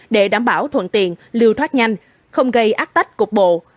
để đảm bảo thuận tiện lưu thoát nhanh không gây ác tách cục bộ